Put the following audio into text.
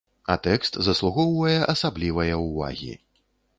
А тэкст заслугоўвае асаблівае ўвагі.